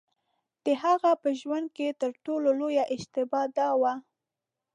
د هغه په ژوند کې تر ټولو لویه اشتباه دا وه.